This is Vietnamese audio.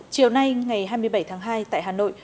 chiều nay ngày hai mươi bảy tháng hai tại hà nội